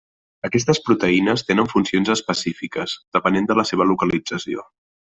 Aquestes proteïnes tenen funcions específiques depenent de la seva localització.